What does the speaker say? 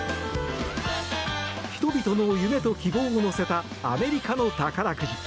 人々の夢と希望を乗せたアメリカの宝くじ。